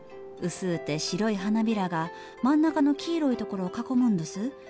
薄ぅて白い花びらが真ん中の黄色いところを囲むんどす。